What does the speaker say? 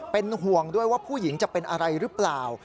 เป็นห่วงด้วยว่าผู้หญิงจะเป็นอะไรหรือเปล่า